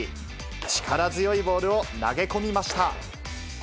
力強いボールを投げ込みました。